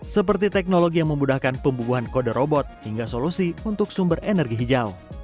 seperti teknologi yang memudahkan pembubuhan kode robot hingga solusi untuk sumber energi hijau